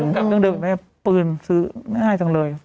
กับเรื่องเดิมปืนซื้อง่ายจังเลย